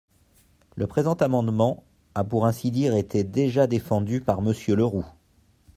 Le présent amendement a pour ainsi dire été déjà défendu par Monsieur Le Roux.